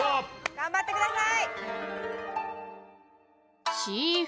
頑張ってください！